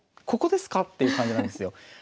ここですか？っていう感じなんですよ。